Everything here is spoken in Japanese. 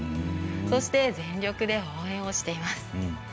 そして、全力で応援をしています。